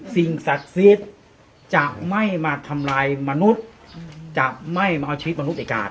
สิ่งศักดิ์สิทธิ์จะไม่มาทำลายมนุษย์จะไม่มาเอาชีวิตมนุษย์อีกการ